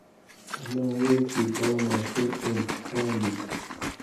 انا وویل چې دا ماشوم امتحان دی.